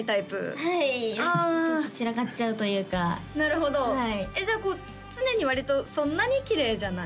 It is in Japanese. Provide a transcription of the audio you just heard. はいちょっと散らかっちゃうというかなるほどじゃあこう常に割とそんなにきれいじゃない？